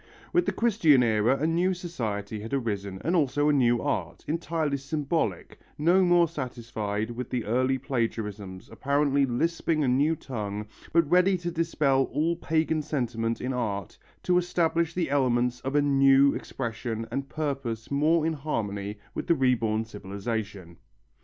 With the Christian era a new society had arisen and also a new art, entirely symbolic, no more satisfied with the early plagarisms, apparently lisping a new tongue but ready to dispel all pagan sentiment in art, to establish the elements of a new expression and purpose more in harmony with the reborn civilization.